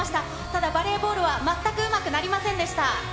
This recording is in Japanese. ただ、バレーボールは全くうまくなりませんでした。